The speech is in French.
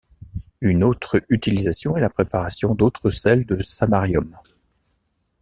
Une autre utilisation est la préparation d'autres sels de samarium.